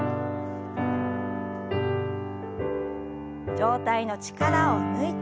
上体の力を抜いて前。